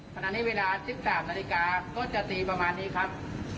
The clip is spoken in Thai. ขณะนี้เวลา๑๓นาฬิกาก็จะตีประมาณนี้ครับ